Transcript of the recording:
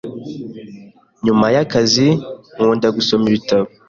Nyuma y’akazi nkunda gusoma ibitabo.